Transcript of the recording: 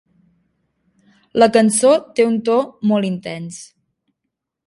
La cançó té un to molt intens.